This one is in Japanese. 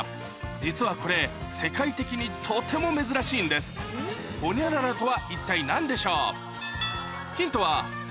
実はこれ世界的にとても珍しいんですホニャララとは一体何でしょう？